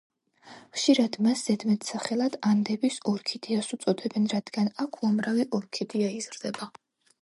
ხშირად მას ზედმეტსახელად „ანდების ორქიდეას“ უწოდებენ, რადგან აქ უამრავი ორქიდეა იზრდება.